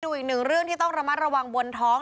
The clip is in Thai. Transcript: อีกหนึ่งเรื่องที่ต้องระมัดระวังบนท้อง